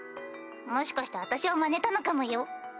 もしかして私をマネたのかもよ？